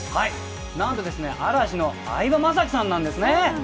なんとですね嵐の相葉雅紀さんなんですね。